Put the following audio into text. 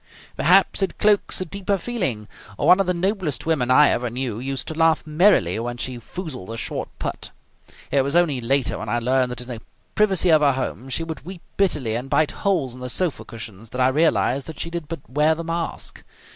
"Perhaps it cloaks a deeper feeling. One of the noblest women I ever knew used to laugh merrily when she foozled a short putt. It was only later, when I learned that in the privacy of her home she would weep bitterly and bite holes in the sofa cushions, that I realized that she did but wear the mask.